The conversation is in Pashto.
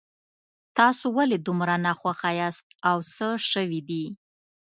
تاسو ولې دومره ناخوښه یاست او څه شوي دي